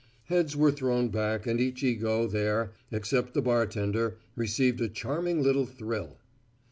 Heads were thrown back and each ego there, except the bartender, received a charming little thrill.